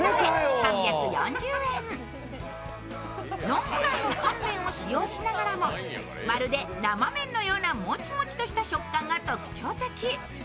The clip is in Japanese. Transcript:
ノンフライの乾麺を使用しながらも、まるで生麺のようなもちもちとした食感が特徴的。